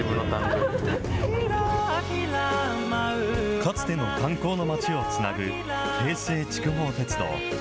かつての炭坑の町をつなぐ平成筑豊鉄道。